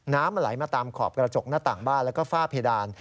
น้ำมันไหลมาตามขอบกระจกหน้าต่างบ้านแล้วก็ฝ้าเพดาน